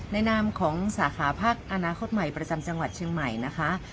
นามของสาขาพักอนาคตใหม่ประจำจังหวัดเชียงใหม่นะคะ